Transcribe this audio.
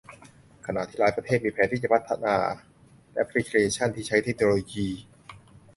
ขณะที่หลายประเทศมีแผนที่จะพัฒนาแอพลิเคชันที่ใช้เทคโนโลยี